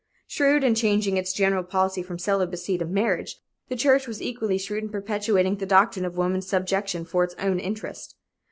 Shrewd in changing its general policy from celibacy to marriage, the church was equally shrewd in perpetuating the doctrine of woman's subjection for its own interest.